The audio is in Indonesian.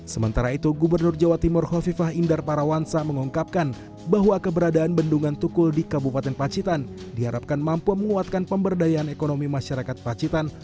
sementara itu gubernur jawa timur hovifah indar parawansa mengungkapkan bahwa keberadaan bendungan tukul di kabupaten pacitan diharapkan mampu menguatkan pemberdayaan ekonomi masyarakat pacitan